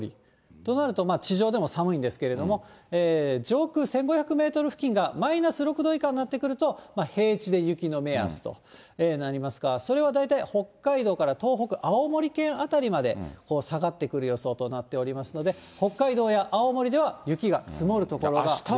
となると、地上でも寒いんですけれども、上空１５００メートル付近がマイナス６度以下になってくると、平地で雪の目安となりますから、それは大体北海道から東北、青森県辺りまで下がってくる予想となっておりますので、北海道や青森では雪が積もる所が出てきます。